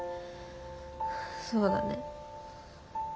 そうだね。